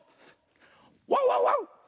ワンワンワン！